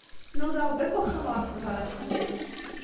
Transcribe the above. Nudaɣ-d akk axxam ɣef tebṛat-nni.